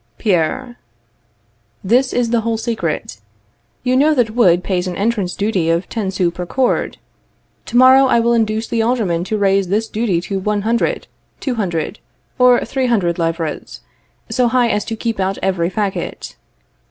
Pierre. This is the whole secret. You know that wood pays an entrance duty of ten sous per cord. To morrow I will induce the Aldermen to raise this duty to one hundred, two hundred, or three hundred livres, so high as to keep out every fagot.